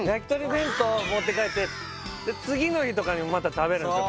弁当を持って帰って次の日とかにまた食べるんですよ